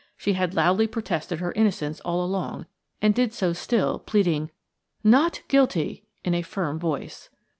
She had loudly protested her innocence all along, and did so still, pleading "Not guilty" in a firm voice.